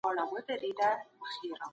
خلګو د نړۍ له خبرونو ځان خبر کاوه.